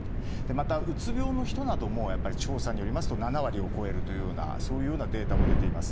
また、うつ病の人なども調査によりますと７割を超えるというデータも出ています。